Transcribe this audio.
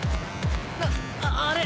ああれ？